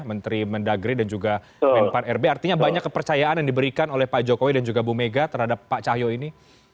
menteri mendagri dan juga m empat rb artinya banyak kepercayaan yang diberikan oleh pak jokowi dan juga ibu megawati terhadap pak cahyokumolo ini